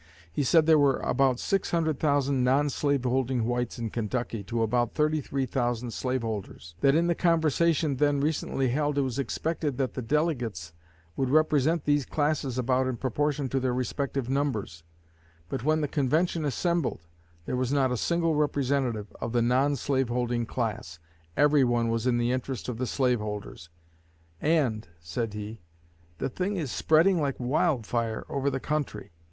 He said there were about six hundred thousand non slaveholding whites in Kentucky to about thirty three thousand slaveholders; that in the convention then recently held it was expected that the delegates would represent these classes about in proportion to their respective numbers; but when the convention assembled, there was not a single representative of the non slaveholding class; everyone was in the interest of the slaveholders; 'and,' said he, 'the thing is spreading like wildfire over the country.